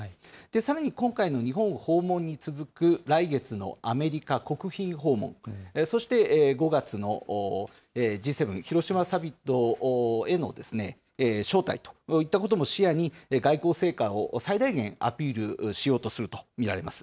さらに今回の日本訪問に続く、来月のアメリカ国賓訪問、そして５月のＧ７広島サミットへの招待といったことも視野に、外交成果を最大限アピールしようとすると見られます。